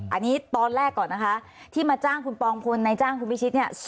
อันนี้ตอนแรกก่อนนะคะที่มาจ้างคุณปองพลในจ้างคุณพิชิตเนี่ย